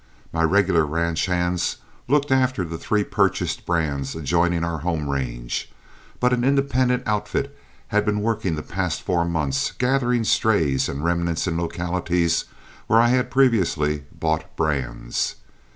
My regular ranch hands looked after the three purchased brands adjoining our home range, but an independent outfit had been working the past four months gathering strays and remnants in localities where I had previously bought brands.